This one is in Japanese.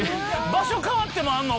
場所変わってもあんの？